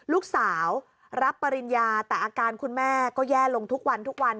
ลูกสาวรับปริญญาแต่อาการคุณแม่ก็แย่ลงทุกวันทุกวัน